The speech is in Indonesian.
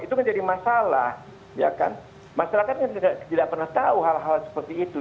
itu kan jadi masalah ya kan masyarakatnya tidak pernah tahu hal hal seperti itu